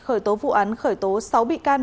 khởi tố vụ án khởi tố sáu bị can